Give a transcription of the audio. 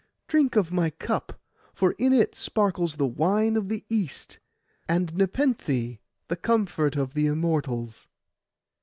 Drink of my cup, for in it sparkles the wine of the East, and Nepenthe, the comfort of the Immortals.